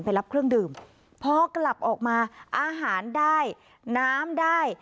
รับเครื่องดื่มพอกลับออกมาอาหารได้น้ำได้